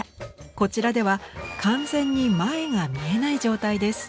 こちらでは完全に前が見えない状態です。